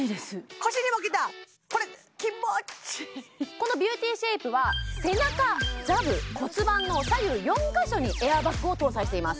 このビューティーシェイプは背中座部骨盤の左右４か所にエアバッグを搭載しています